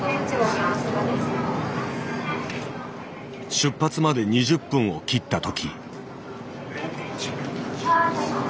☎出発まで２０分を切った時。